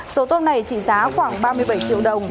số tôm này trị giá khoảng ba mươi bảy triệu đồng